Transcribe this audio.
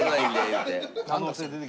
言うて。